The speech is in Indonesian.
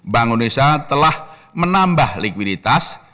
bank indonesia telah menambah likuiditas